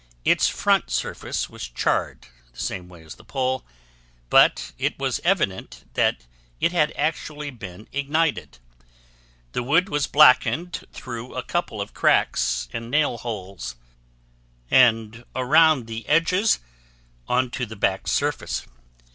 Its front surface was charred the same way as the pole, but it was evident that it had actually been ignited. The wood was blackened through a couple of cracks and nail holes, and around the edges onto the back surface.